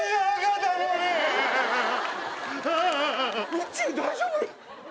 宇宙大丈夫！？